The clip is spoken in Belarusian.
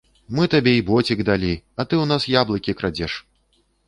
Мы табе і боцік далі, а ты ў нас яблыкі крадзеш!